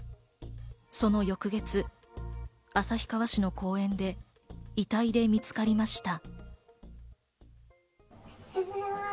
その翌月、旭川市の公園で遺体で見つかりました。